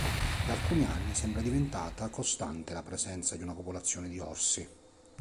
Da alcuni anni sembra diventata costante la presenza di una popolazione di orsi.